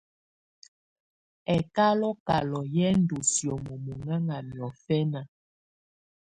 Ɛkálɔ̀kálɔ̀ yɛ̀ ndù sìómó munɛna niɔ̀fɛna.